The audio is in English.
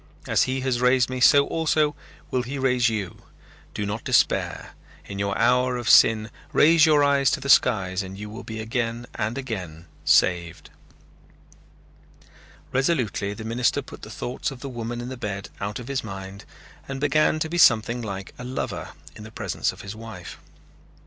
As he has raised me so also will he raise you. Do not despair. In your hour of sin raise your eyes to the skies and you will be again and again saved." Resolutely the minister put the thoughts of the woman in the bed out of his mind and began to be something like a lover in the presence of his wife.